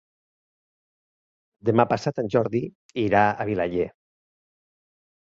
Demà passat en Jordi irà a Vilaller.